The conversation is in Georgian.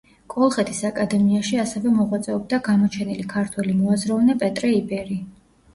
კოლხეთის აკადემიაში ასევე მოღვაწეობდა გამოჩენილი ქართველი მოაზროვნე პეტრე იბერი.